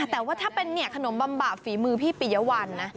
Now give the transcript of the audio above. แต่ว่าถ้าเป็นขนมบำบะฝีมือพี่ปียวัลนะ